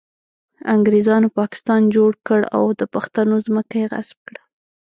انګریزانو پاکستان جوړ کړ او د پښتنو ځمکه یې غصب کړه